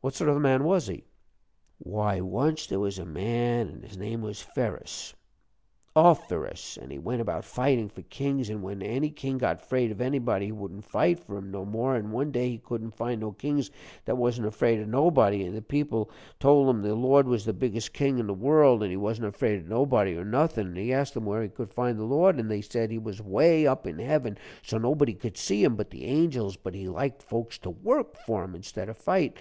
What sort of a man was he?" "Why, once there was a man, an' his name was Ferus _Of_ferus, an' he went about fightin' for kings, but when any king got afraid of anybody, he wouldn't fight for him no more. An' one day he couldn't find no kings that wasn't afraid of nobody. An' the people told him the Lord was the biggest king in the world, an' he wasn't afraid of nobody or nothing. An' he asked 'em where he could find the Lord, an' they said he was way up in heaven so nobody couldn't see him but the angels, but he liked folks to work for him instead of fight.